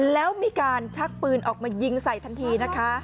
แล้วมีการชักปืนออกมายิงใส่ทันทีนะคะ